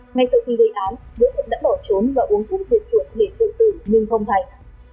ngay sau khi gây án đối tượng đã bỏ trốn và uống thuốc diệt chuột để tự tử nhưng không thành